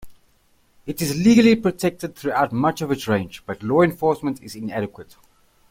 It is legally protected throughout much of its range, but law enforcement is inadequate.